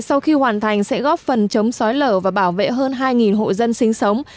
sau khi hoàn thành sẽ góp phần chống sói lở và bảo vệ hơn hai hộ dân sinh sống